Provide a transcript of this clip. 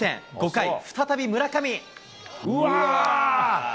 ５回、再び村上。